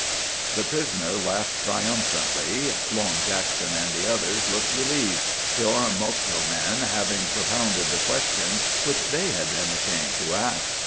The prisoner laughed triumphantly. Long Jackson and the others looked relieved, the Oromocto man having propounded the question which they had been ashamed to ask.